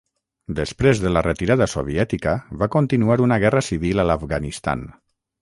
Després de la retirada soviètica va continuar una guerra civil a l'Afganistan.